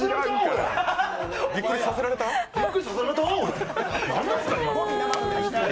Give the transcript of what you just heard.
びっくりさせられた、俺。